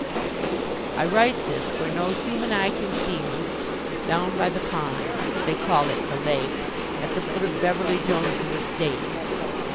I write this, where no human eye can see me, down by the pond they call it the lake at the foot of Beverly Jones's estate.